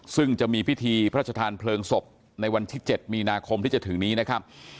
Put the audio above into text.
ซึ่งจะมีพิธีพระชธานเพลิงศพในวันที่๗มีนาคมที่จะถึงนี้นะครับ